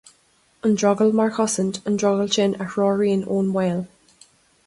An drogall mar chosaint, an drogall sin a threoraíonn ón mbaol.